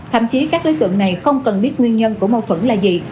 thậm chí các đối tượng này không cần biết nguyên nhân của mâu thuẫn là gì